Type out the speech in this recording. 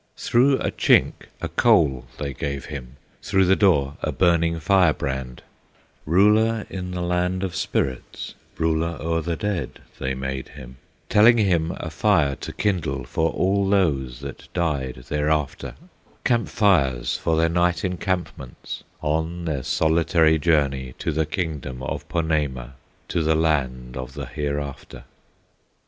Through a chink a coal they gave him, Through the door a burning fire brand; Ruler in the Land of Spirits, Ruler o'er the dead, they made him, Telling him a fire to kindle For all those that died thereafter, Camp fires for their night encampments On their solitary journey To the kingdom of Ponemah, To the land of the Hereafter.